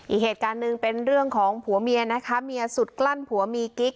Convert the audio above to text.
อีกเหตุการณ์หนึ่งเป็นเรื่องของผัวเมียนะคะเมียสุดกลั้นผัวมีกิ๊ก